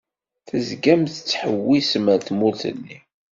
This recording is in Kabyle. Tezgam tettḥewwisem ar tmurt-nni.